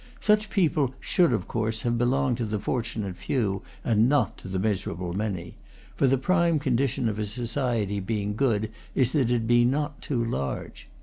Such people should of course have belonged to the fortunate few, and not to the miserable many; for the prime condition of a society being good is that it be not too large.